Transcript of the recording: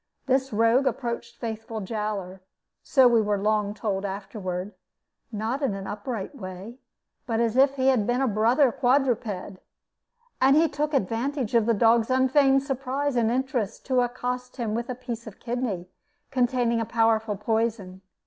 This rogue approached faithful Jowler so we were told long afterward not in an upright way, but as if he had been a brother quadruped. And he took advantage of the dog's unfeigned surprise and interest to accost him with a piece of kidney containing a powerful poison.